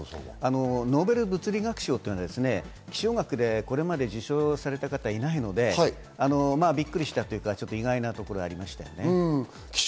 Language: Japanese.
ノーベル物理学賞は気象学でこれまで受賞された方はいないので、びっくりしたというか、意外なところがありましたよね。